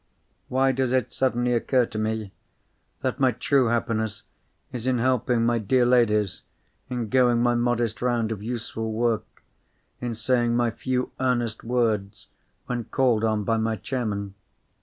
Why does it suddenly occur to me that my true happiness is in helping my dear Ladies, in going my modest round of useful work, in saying my few earnest words when called on by my Chairman?